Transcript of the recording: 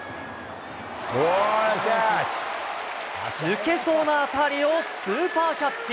抜けそうな当たりをスーパーキャッチ。